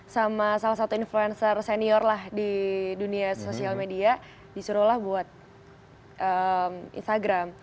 sama salah satu influencer senior lah di dunia sosial media disuruhlah buat instagram